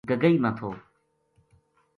گگئی ما تھو